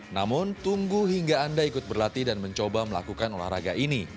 namun tunggu hingga anda ikut berlatih dan mencoba melakukan olahraga ini